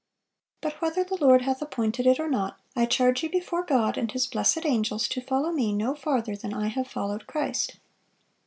But whether the Lord hath appointed it or not, I charge you before God and His blessed angels to follow me no farther than I have followed Christ.